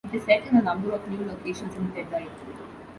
It is set in a number of new locations in Tethyr.